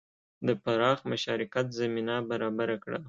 د پراخ مشارکت زمینه برابره کړه.